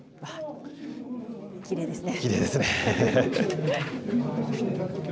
きれいですね。